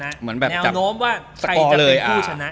แนวโน้มว่าใครจะเป็นผู้ชนะ